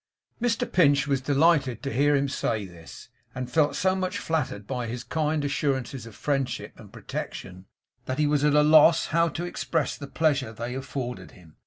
Mr Pinch was delighted to hear him say this, and felt so much flattered by his kind assurances of friendship and protection, that he was at a loss how to express the pleasure they afforded him.